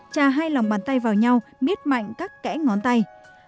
trà hai lòng bàn tay vào nhau miết mạnh các kẽ ngón tay